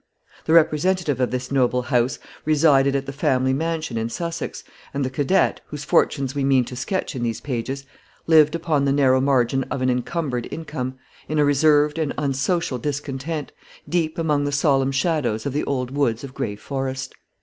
The representative of this noble house resided at the family mansion in Sussex, and the cadet, whose fortunes we mean to sketch in these pages, lived upon the narrow margin of an encumbered income, in a reserved and unsocial discontent, deep among the solemn shadows of the old woods of Gray Forest.